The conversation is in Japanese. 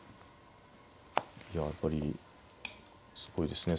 いややっぱりすごいですね。